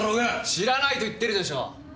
知らないと言ってるでしょう！